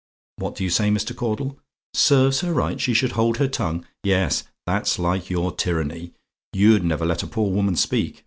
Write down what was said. What do you say, Mr. Caudle? "SERVES HER RIGHT SHE SHOULD HOLD HER TONGUE? "Yes; that's like your tyranny you'd never let a poor woman speak.